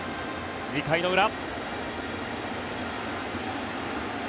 ２回の裏。